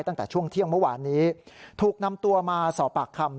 ตั้งแต่ช่วงเที่ยงเมื่อวานนี้ถูกนำตัวมาสอบปากคำ